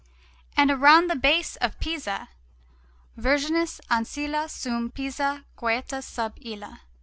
And round the base of Pisa: VIRGINIS ANCILLA SUM PISA QUIETA SUB ILLA.